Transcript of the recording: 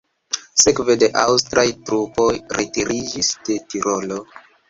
Sekve la aŭstraj trupoj retiriĝis de Tirolo.